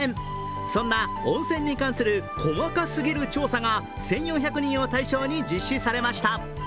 そんな温泉に関する細かすぎる調査が１４００人を対象に実施されました。